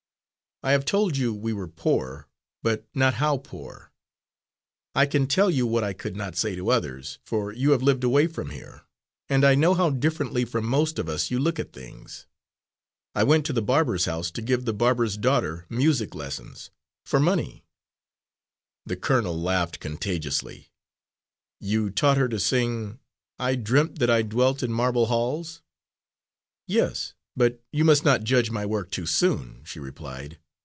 I have told you we were poor, but not how poor. I can tell you what I could not say to others, for you have lived away from here, and I know how differently from most of us you look at things. I went to the barber's house to give the barber's daughter music lessons for money." The colonel laughed contagiously. "You taught her to sing 'I dreamt that I dwelt in marble halls?'" "Yes, but you must not judge my work too soon," she replied.